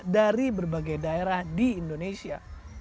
dari berbagai daerah di indonesia